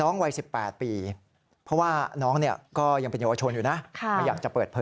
ก็ให้ทีมข่าวของเราฟังนะครับ